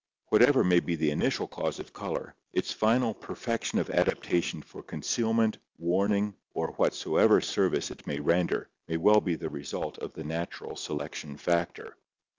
Whatever may be the initial cause of color, its final perfection of adaptation for concealment, warning, or whatsoever service it may render may well be the result of the natural selection factor.